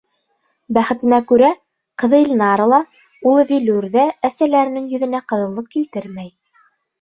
Бәхетенә күрә, ҡыҙы Илнара ла, улы Вилүр ҙә әсәләренең йөҙөнә ҡыҙыллыҡ килтермәй.